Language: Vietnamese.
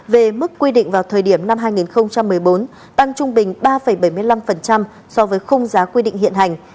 về mức quy định vào thời điểm năm hai nghìn một mươi bốn tăng trung bình ba bảy mươi năm so với khung giá quy định hiện hành